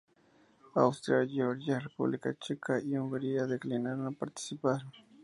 Austria, Georgia, República Checa y Hungría declinaron participar.